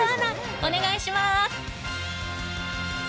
お願いします。